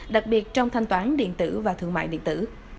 đặc biệt trong thanh toán điện tử và thương mại điện tử